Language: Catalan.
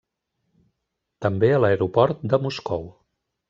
També a l'aeroport de Moscou.